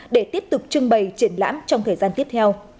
để tiếp tục trưng bày triển lãm trong thời gian tiếp theo